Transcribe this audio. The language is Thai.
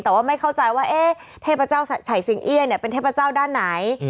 แต่ว่าไม่เข้าใจว่าเทพเจ้าฉ่ายสิงเอี้ยเป็นเทพเจ้าด้านไหน